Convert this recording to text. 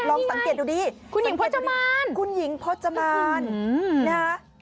ลองสังเกตดูดีคุณหญิงพจมานคุณหญิงพจมานนะคะ